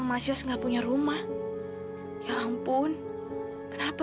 ya di situ aja ya kan